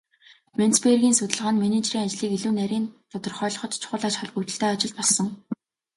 Менцбергийн судалгаа нь менежерийн ажлыг илүү нарийн тодорхойлоход чухал ач холбогдолтой ажил болсон.